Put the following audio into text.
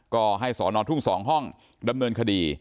ก็ให้สอนอทุ่ง๒ห้องดำเนินคดี